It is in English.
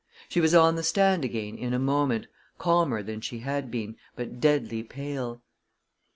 She was on the stand again in a moment, calmer than she had been, but deadly pale.